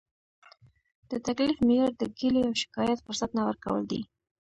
د تکلیف معیار د ګیلې او شکایت فرصت نه ورکول دي.